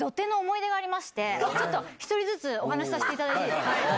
１人ずつお話しさせていただいていいですか。